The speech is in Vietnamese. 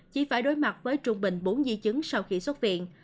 chỉ phải đối mặt với trung bình bốn di chứng sau khi xuất viện